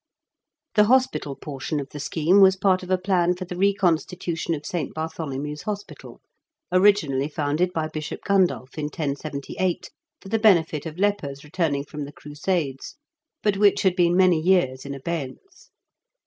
The hospital portion of the scheme was part of a plan for the reconstitution of St. Bartholomew's Hospital, originally founded by Bishop Gundulph, in 1078, for the benefit of lepers returning from the crusades, but which had been many years in abeyance.